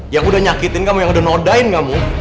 yang udah nyakitin kamu yang udah nodain kamu